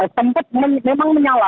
sempat memang menyala